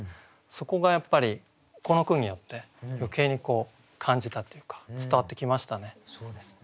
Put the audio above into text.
そこがやっぱりこの句によって余計に感じたっていうか伝わってきましたね。